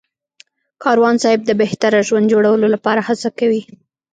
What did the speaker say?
کاروان صاحب د بهتره ژوند جوړولو لپاره هڅه کوي.